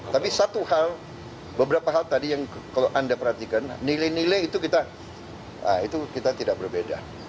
tapi satu hal beberapa hal tadi yang kalau anda perhatikan nilai nilai itu kita tidak berbeda